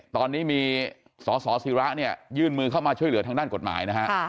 ตอนนี้มีสสิระเนี่ยยื่นมือเข้ามาช่วยเหลือทางด้านกฎหมายนะฮะ